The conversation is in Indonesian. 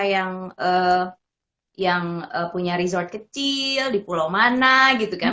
kamu juga punya beberapa link ke mereka yang punya resort kecil di pulau mana gitu kan